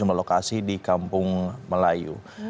jumlah lokasi di kampung melayu